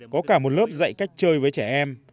có cả một lớp dạy cách chơi với trẻ em